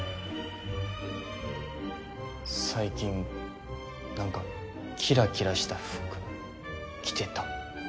最近なんかキラキラした服着てた。